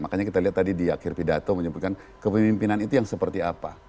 makanya kita lihat tadi di akhir pidato menyebutkan kepemimpinan itu yang seperti apa